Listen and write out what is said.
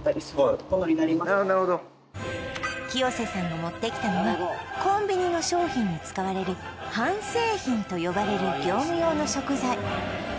ああなるほど清瀬さんが持ってきたのはコンビニの商品に使われる半製品と呼ばれる業務用の食材